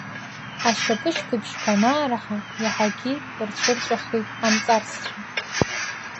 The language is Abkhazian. Ашьапышьҭыбжьқәа анаараҳа, иаҳагьы рҽырҵәахит амҵарсцәа.